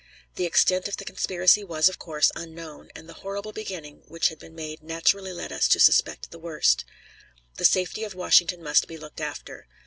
The extent of the conspiracy was, of course, unknown, and the horrible beginning which had been made naturally led us to suspect the worst. The safety of Washington must be looked after.